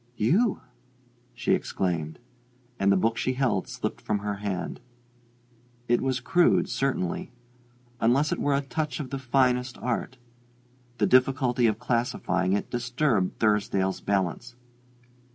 "You?" she exclaimed; and the book she held slipped from her hand. It was crude, certainly; unless it were a touch of the finest art. The difficulty of classifying it disturbed Thursdale's balance.